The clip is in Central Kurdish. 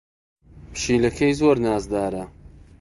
پشیلەکەی زۆر نازدارە.